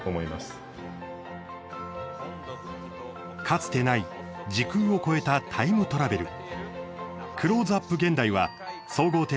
かつてない時空を超えたタイムトラベル。